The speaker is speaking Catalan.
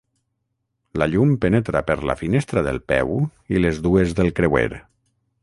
La llum penetra per la finestra del peu i les dues del creuer.